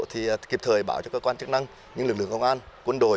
thì kịp thời bảo cho cơ quan chức năng những lực lượng công an quân đội